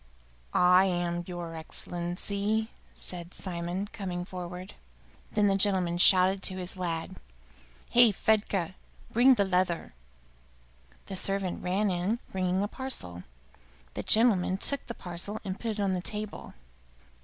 "I am, your Excellency," said Simon, coming forward. Then the gentleman shouted to his lad, "Hey, Fedka, bring the leather!" The servant ran in, bringing a parcel. The gentleman took the parcel and put it on the table.